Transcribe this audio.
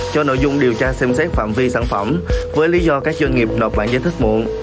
cho nội dung điều tra xem xét phạm vi sản phẩm với lý do các doanh nghiệp nợp bản giải thích muộn